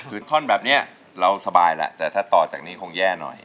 ท่อนแบบนี้เราสบายแล้วแต่ถ้าต่อจากนี้คงแย่หน่อย